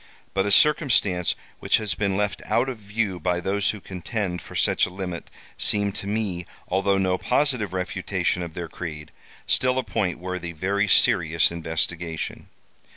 But a circumstance which has been left out of view by those who contend for such a limit seemed to me, although no positive refutation of their creed, still a point worthy very serious investigation.